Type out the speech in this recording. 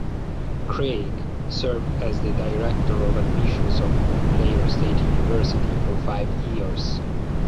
Craig served as the director of admissions of Montclair State University for five years.